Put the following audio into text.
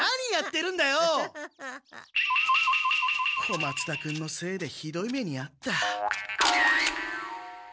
小松田君のせいでひどい目にあった。